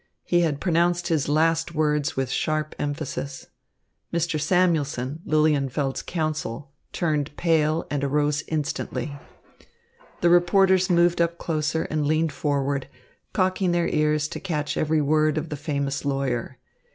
He had pronounced his last words with sharp emphasis. Mr. Samuelson, Lilienfeld's counsel, turned pale and arose instantly. The reporters moved up closer and leaned forward, cocking their ears to catch every word of the famous lawyer.